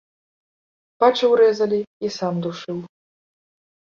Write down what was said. Бачыў, рэзалі, і сам душыў.